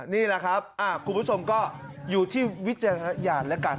นี่แหละครับคุณผู้ชมก็อยู่ที่วิจารณญาณแล้วกัน